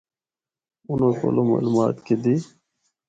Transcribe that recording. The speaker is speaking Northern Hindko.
اُنّاں کولو معلومات گِدّی۔